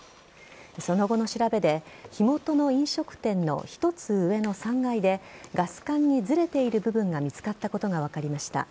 その後の調べで、火元の飲食店の１つ上の３階でガス管にずれている部分が見つかったことが分かりました。